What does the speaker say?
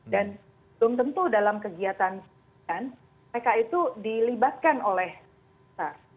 dan belum tentu dalam kegiatan mereka itu dilibatkan oleh duta besar